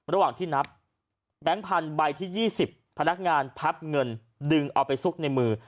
ระหว่างที่นับแบงค์พันธุ์ใบที่๒๐พนักงานพับเงินดึงเอาไปซุกในมือ